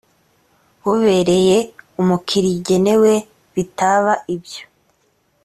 bubereye umukiriya igenewe bitaba ibyo